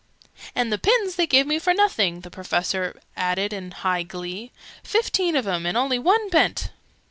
"And the pins they gave me for nothing!" the Professor added in high glee. "Fifteen of 'em, and only one bent!"